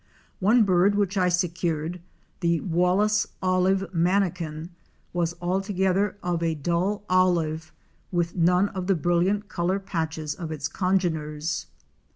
One bird which I secured, the Wallace Olive Manakin," was al together of a dull olive, with none of the brilliant color patches of its congeners.